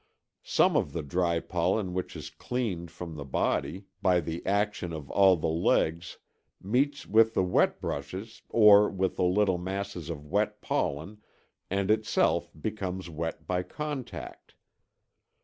Some of the dry pollen which is cleaned from the body by the action of all of the legs meets with the wet brushes or with the little masses of wet pollen and itself becomes wet by contact.